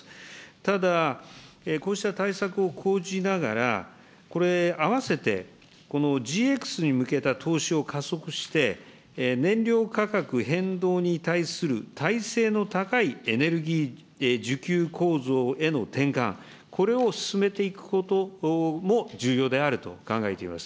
ただ、こうした対策を講じながら、これ、あわせてこのＧＸに向けた投資を加速して、燃料価格変動に対する耐性の高いエネルギー需給構造への転換、これを進めていくことも重要であると考えています。